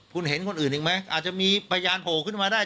คุณเห็นคนอื่นอีกไหมอาจจะมีพยานโผล่ขึ้นมาได้